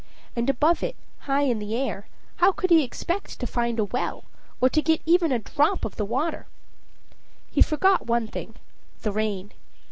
And above it, high in the air, how could he expect to find a well, or to get even a drop of water? He forgot one thing the rain.